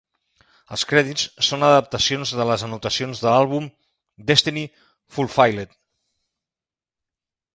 Els crèdits són adaptacions de les anotacions de l'àlbum "Destiny Fulfilled".